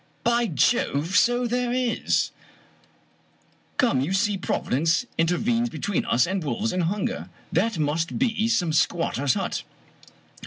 "" By Jove, so there is ! Come, you see Providence inter venes between us and wolves and hunger. That must be some squatter's hut."